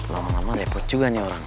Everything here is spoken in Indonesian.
lama lama repot juga nih orang